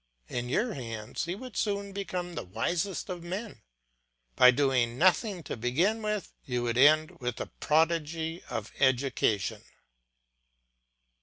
In your hands he would soon become the wisest of men; by doing nothing to begin with, you would end with a prodigy of education.